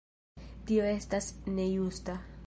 Tio estas nejusta.